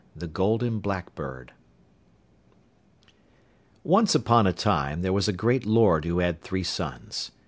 THE GOLDEN BLACKBIRD Once upon a time there was a great lord who had three sons.